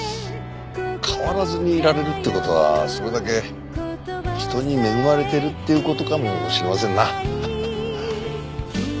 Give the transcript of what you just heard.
変わらずにいられるって事はそれだけ人に恵まれてるっていう事かもしれませんな。